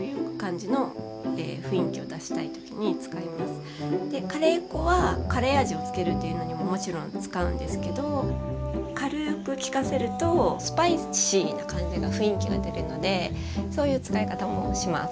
クミンとコリアンダーはカレー粉はカレー味をつけるというのにももちろん使うんですけど軽くきかせるとスパイシーな感じが雰囲気が出るのでそういう使い方もします。